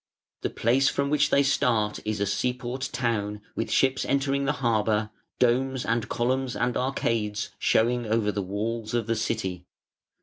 The place from which they start is a seaport town with ships entering the harbour, domes and columns and arcades showing over the walls of the city.